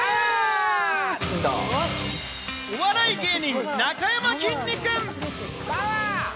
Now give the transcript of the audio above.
お笑い芸人・なかやまきんに君。